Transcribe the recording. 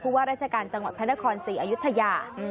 ว่าราชการจังหวัดพระนครศรีอยุธยา